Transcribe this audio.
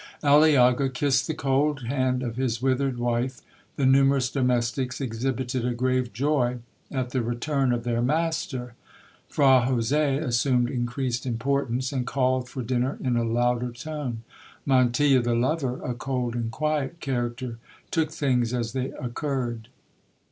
Aliaga kissed the cold hand of his withered wife—the numerous domestics exhibited a grave joy at the return of their master—Fra Jose assumed increased importance, and called for dinner in a louder tone. Montilla, the lover, a cold and quiet character, took things as they occurred.